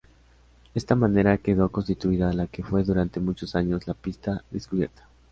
De esta manera quedó constituida la que fue durante muchos años la "pista descubierta".